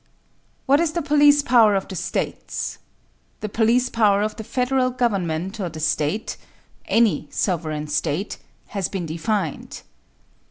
What is the police power of the States? The police power of the Federal Government or the State any sovereign State has been defined.